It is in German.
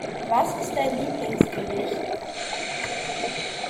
Was ist dein Lieblingsgericht?